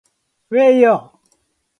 うぇいよ